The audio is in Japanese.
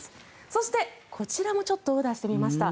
そして、こちらもちょっとオーダーしてみました。